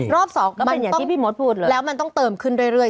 รอบสองแล้วมันต้องเติมขึ้นเรื่อย